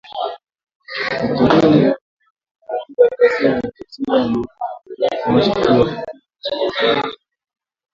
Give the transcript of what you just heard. Wiki mbili zilizopita, ghasia zilizochochewa na watu wanaoshukiwa kuwa wa chama tawala kwenye mkutano wa chama pinzani